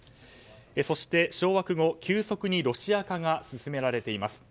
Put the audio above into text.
そして掌握後、急速にロシア化が進められています。